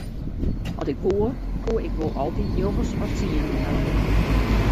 At ik woe koe ik wol altyd njoggens of tsienen helje.